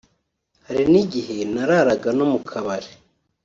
hari n’igihe nararaga no mu kabari